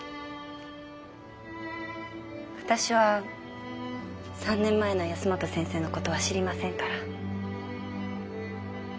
私は３年前の保本先生の事は知りませんから。